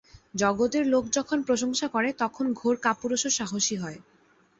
জগতের লোক যখন প্রশংসা করে, তখন ঘোর কাপুরুষও সাহসী হয়।